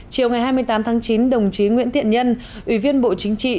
chiều ngày hai mươi tám tháng chín đồng chí nguyễn thiện nhân ủy viên bộ chính trị